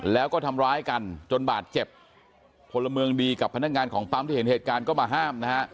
แล้วก็ทำร้ายกันจนบาดเจ็บพลเมืองดีกับพนักงานของปั๊มที่เห็นเหตุการณ์ก็มาห้ามนะฮะ